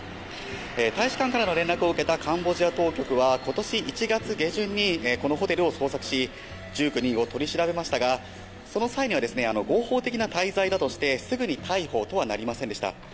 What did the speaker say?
大使館からの連絡を受けたカンボジア当局は今年１月下旬にこのホテルを捜索し１９人を取り調べましたがその際には合法的な滞在だとしてすぐに逮捕とはなりませんでした。